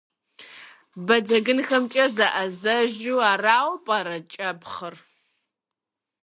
Бадзэгынхэмкӏэ зэӏэзэжу арауэ пӏэрэ кӏэпхъыр?